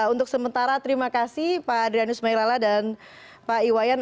untuk sementara terima kasih pak adrianus mailala dan pak iwayan